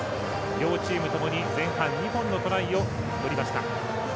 両チームともに前半２本のトライを取りました。